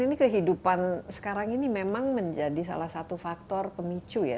ini kehidupan sekarang ini memang menjadi salah satu faktor pemicu ya